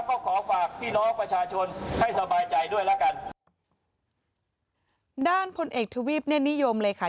ก็ขอฝากพี่น้องประชาชนให้สบายใจด้วยละกันด้านพลเอกทวีปเนี่ยนิยมเลยค่ะ